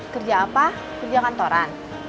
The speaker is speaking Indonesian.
kerja apa kerja kantoran